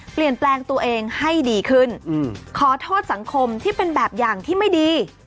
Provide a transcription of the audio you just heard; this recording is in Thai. เปลี่ยนแปลงตัวเองให้ดีขึ้นขอโทษสังคมที่เป็นแบบอย่างที่ไม่ดี